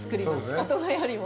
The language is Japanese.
大人よりも。